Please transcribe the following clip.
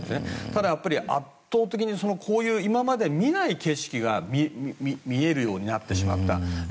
ただ、圧倒的にこういう今まで見ない景色が見えるようになってしまった。